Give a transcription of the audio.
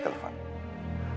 saya mau kasih telfon